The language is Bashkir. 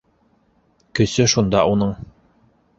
Көсө шунда уның!